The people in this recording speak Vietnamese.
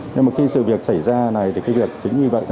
nhưng mà khi sự việc xảy ra này thì cái việc chính vì vậy